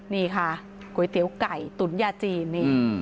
นี่ค่ะก๋วยเตี๋ยวไก่ตุ๋นยาจีนนี่